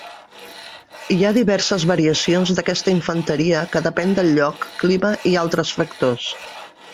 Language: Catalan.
Hi ha diverses variacions d'aquesta infanteria que depèn del lloc, clima i altres factors.